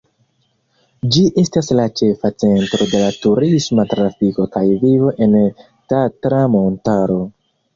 Ĝi estas la ĉefa centro de turisma trafiko kaj vivo en Tatra-montaro.